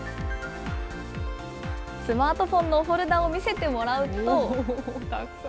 スマートフォンのフォルダを見せてもらうと。